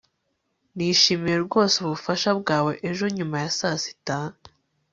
Nishimiye rwose ubufasha bwawe ejo nyuma ya saa sita